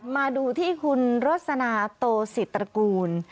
มาดูที่คุณโรศณโตสิตระกูล